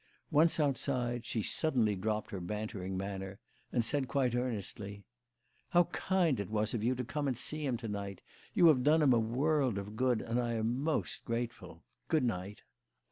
Once outside, she suddenly dropped her bantering manner and said quite earnestly: "How kind it was of you to come and see him to night! You have done him a world of good, and I am most grateful. Good night!"